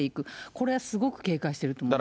これはすごく警戒していると思います。